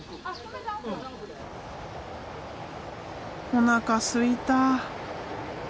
おなかすいた。